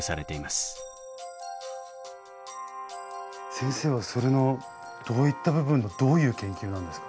先生はそれのどういった部分のどういう研究なんですか？